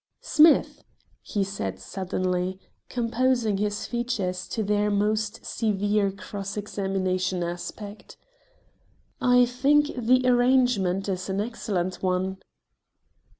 "Smith," he said suddenly, composing his features to their most severe cross examination aspect, "I think the arrangement is an excellent one."